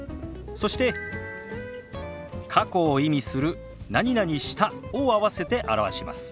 そして過去を意味する「した」を合わせて表します。